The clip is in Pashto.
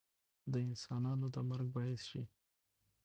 د انسانانو د مرګ باعث شي